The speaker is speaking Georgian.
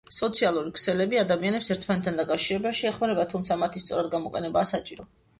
სოციალური ქსელები ადამიანებს ერთმანეთთან დაკავშირებაში ეხმარება, თუმცა მათი სწორად გამოყენებაა საჭირო.